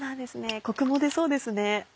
コクも出そうですね。